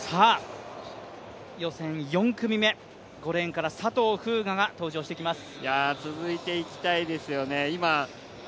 予選４組目、５レーンから佐藤風雅が登場してきます。